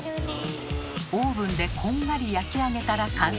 オーブンでこんがり焼き上げたら完成。